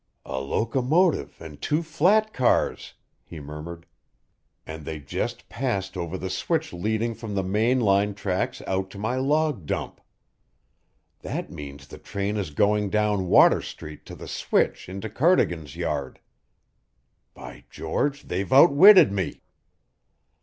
"A locomotive and two flat cars!" he murmured. "And they just passed over the switch leading from the main line tracks out to my log dump. That means the train is going down Water Street to the switch into Cardigan's yard. By George, they've outwitted me!"